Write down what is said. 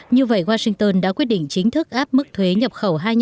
như vậy washington đã quyết định chính thức áp đặt các hàng rào thuế quan